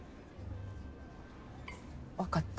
分かった。